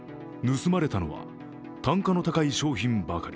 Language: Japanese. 盗まれたのは単価の高い商品ばかり。